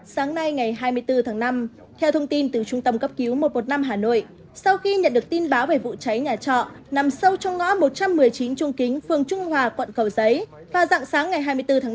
sáng nay ngày hai mươi bốn tháng năm theo thông tin từ trung tâm cấp cứu một trăm một mươi năm hà nội sau khi nhận được tin báo về vụ cháy nhà trọ nằm sâu trong ngõ một trăm một mươi chín trung kính phường trung hòa quận cầu giấy vào dạng sáng ngày hai mươi bốn tháng năm